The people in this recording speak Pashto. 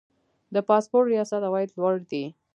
د پاسپورت ریاست عواید لوړ دي